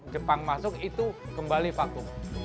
jepang masuk itu kembali vakum